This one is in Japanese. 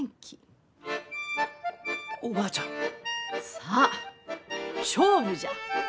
さあ勝負じゃ！